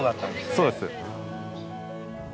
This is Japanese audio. そうです。